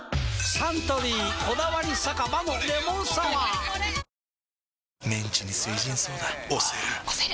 サントリー「こだわり酒場のレモンサワー」推せる！！